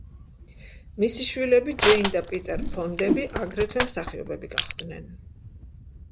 მისი შვილები, ჯეინ და პიტერ ფონდები, აგრეთვე მსახიობები გახდნენ.